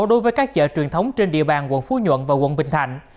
đối với các chợ truyền thống trên địa bàn quận phú nhuận và quận bình thạnh